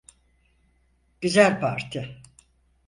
Güzel parti.